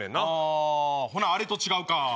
あほなあれと違うか。